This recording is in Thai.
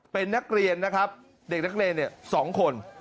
เป็นนักเรียนนะครับเด็กนักเรียน๒คน